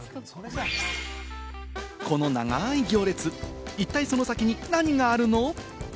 この長い行列、一体その先に何があるの？